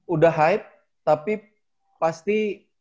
udah hype tapi pasti